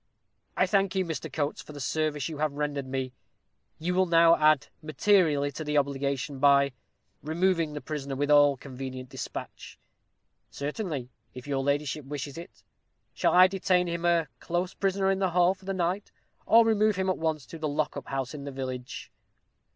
"I thank you, Mr. Coates, for the service you have rendered me; you will now add materially to the obligation by removing the prisoner with all convenient despatch." "Certainly, if your ladyship wishes it. Shall I detain him a close prisoner in the hall for the night, or remove him at once to the lock up house in the village?"